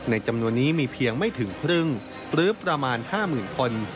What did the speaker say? ในจำนวนนี้มีเพียงไม่ถึงครึ่งหรือประมาณห้าหมื่นคน